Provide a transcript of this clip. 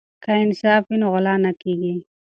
که انصاف وي نو غلا نه کیږي.